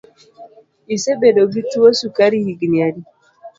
Isebedo gi tuo sukari higni adi?